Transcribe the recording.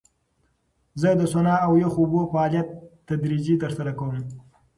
زه د سونا او یخو اوبو فعالیت تدریجي ترسره کوم.